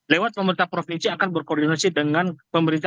lewat pemerintah provinsi akan berkoordinasi dengan pemerintah